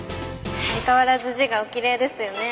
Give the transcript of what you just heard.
相変わらず字がおきれいですよね。